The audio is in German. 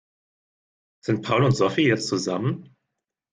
Sind Paul und Sophie jetzt zusammen?